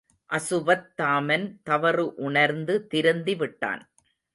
அசுவத்தாமன் தவறு உணர்ந்து திருந்தி விட்டான்.